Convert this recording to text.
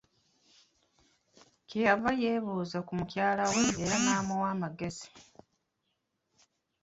Kye yava yeebuuza ku mukyala we era n'amuwa amagezi.